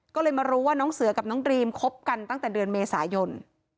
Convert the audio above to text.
ก็เลยมารู้ว่าน้องเสือกับน้องดรีมคบกันตั้งแต่เดือนเมษายน